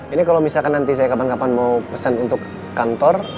ini kalau misalkan nanti saya kapan kapan mau pesan untuk kantor